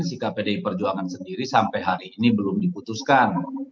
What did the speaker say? sikap pdi perjuangan sendiri sampai hari ini belum diputuskan